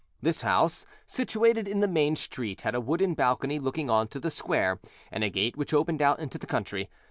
This house, situated in the main street, had a wooden balcony looking on to the square, and a gate which opened out into the country.